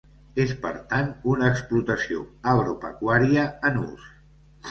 És, per tant, una explotació agropecuària en ús.